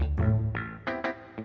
bisa yang keku chin